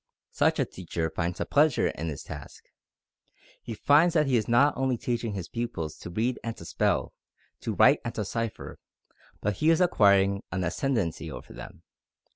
Such a teacher finds a pleasure in his task. He finds that he is not only teaching his pupils to read and to spell, to write and to cipher, but he is acquiring an ascendancy over them.